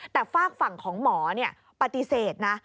แต่ฝากฝั่งของหมอปฏิเสธนะ